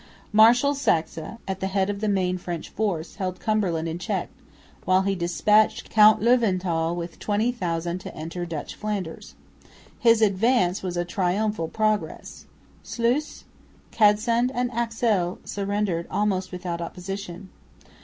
Marshal Saxe, at the head of the main French force, held Cumberland in check, while he despatched Count Löwenthal with 20,000 to enter Dutch Flanders. His advance was a triumphal progress. Sluis, Cadsand and Axel surrendered almost without opposition.